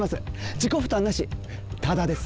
自己負担なし、ただです。